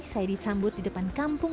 saya disambut di depan kampung